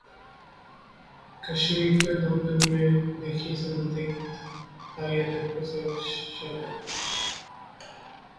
कश्मीर के उधमपुर में दिखे संदिग्ध, हाई अलर्ट पर सुरक्षाबल